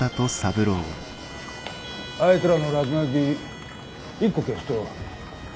あいつらの落書き１個消すと５銭。